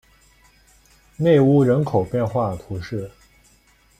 内乌人口变化图示